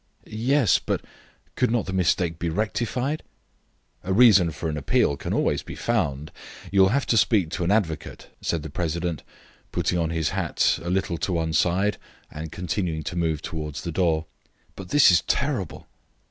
"Yes, but could not the mistake be rectified?" "A reason for an appeal can always be found. You will have to speak to an advocate," said the president, putting on his hat a little to one side and continuing to move towards the door. "But this is terrible."